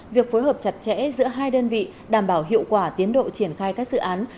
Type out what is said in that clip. việc phối hợp chặt chẽ giữa hai đơn vị đảm bảo hiệu quả tiến độ triển khai các dự án